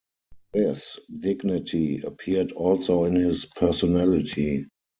This dignity appeared also in his personality.